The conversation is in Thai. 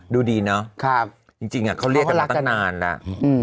ดูดีเนอะครับจริงจริงอ่ะเขาเรียกกันมาตั้งนานแล้วอืม